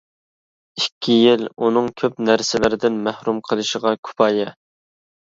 ئىككى يىل ئۇنىڭ كۆپ نەرسىلەردىن مەھرۇم قېلىشىغا كۇپايە.